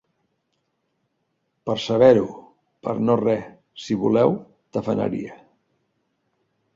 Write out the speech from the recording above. Per saber-ho, per no re; si voleu, tafaneria.